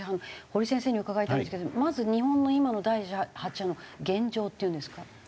堀先生に伺いたいんですけどまず日本の今の第８波の現状っていうんですか？